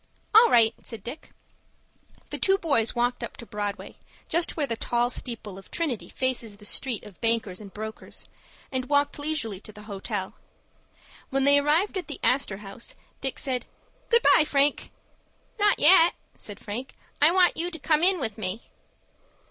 "All right," said Dick. The two boys walked up to Broadway, just where the tall steeple of Trinity faces the street of bankers and brokers, and walked leisurely to the hotel. When they arrived at the Astor House, Dick said, "Good by, Frank." "Not yet," said Frank; "I want you to come in with me."